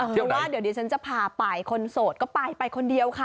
เที่ยวไหนเดี๋ยวเดี๋ยวฉันจะพาไปคนโสดก็ไปไปคนเดียวค่ะ